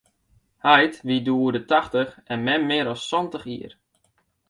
Heit wie doe oer de tachtich en mem mear as santich jier.